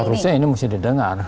seharusnya ini mesti didengar